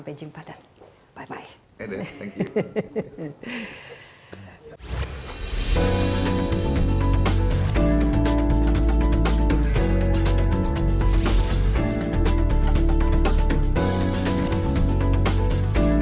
terima kasih telah mengucapkan terima kasih banyak ya